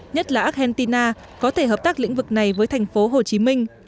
nhất là argentina có thể hợp tác lĩnh vực này với thành phố hồ chí minh